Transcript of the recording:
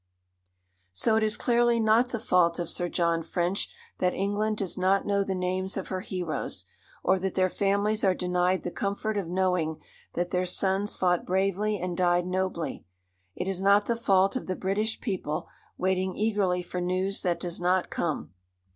So it is clearly not the fault of Sir John French that England does not know the names of her heroes, or that their families are denied the comfort of knowing that their sons fought bravely and died nobly. It is not the fault of the British people, waiting eagerly for news that does not come.